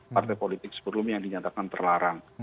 partai politik sebelumnya yang dinyatakan terlarang